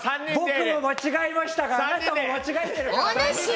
ボクも間違えましたがあなたも間違えてるから。